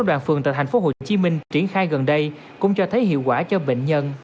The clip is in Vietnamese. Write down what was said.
đoàn phường tại thành phố hồ chí minh triển khai gần đây cũng cho thấy hiệu quả cho bệnh nhân an tâm điều trị